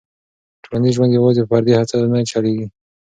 ټولنیز ژوند یوازې په فردي هڅو نه چلېږي.